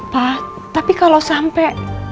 pak tapi kalau sampe